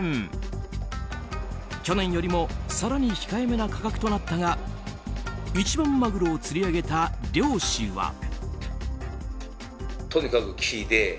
去年よりも更に控えめな価格となったが一番マグロを釣り上げた漁師は。